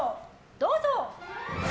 どうぞ！